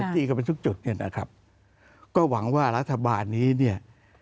ดีกว่าทุกจุดนะครับก็หวังว่ารัฐบาลนี้